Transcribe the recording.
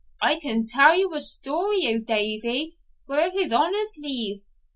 I can tell you a story o' Davie, wi' his Honour's leave.